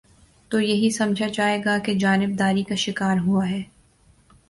تو یہی سمجھا جائے گا کہ جانب داری کا شکار ہوا ہے۔